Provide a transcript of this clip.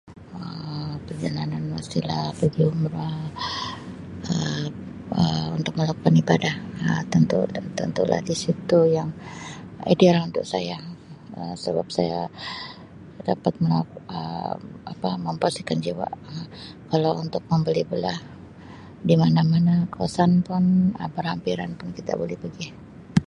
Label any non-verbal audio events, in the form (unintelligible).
Um Perjalanan mestilah pigi umrah Um untuk melakukan ibadah Um tentu tentulah di situ yang (unintelligible) saya Um sebab saya dapat Um Um apa membersihkan jiwa kalau untuk membeli-belah di mana-mana kawasan pun Um berhampiran pun kita boleh pigi.